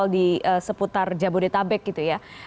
terjadi kemudian di tol di seputar jabodetabek gitu ya